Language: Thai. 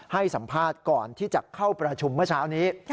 ให้สัมภาษณ์ก่อนที่จะเข้าประชุมเมื่อเช้านี้